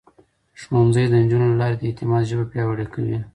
ښوونځی د نجونو له لارې د اعتماد ژبه پياوړې کوي.